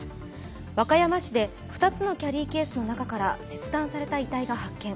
和歌山市で２つのキャリーケースの中から切断された遺体が発見。